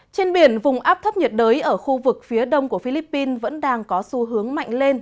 trên biển vùng áp thấp nhiệt đới ở khu vực phía đông của philippines vẫn đang có xu hướng mạnh lên